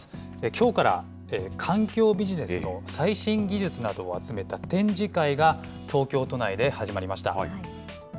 きょうから環境ビジネスの最新技術などを集めた展示会が、東京都内で始まりました。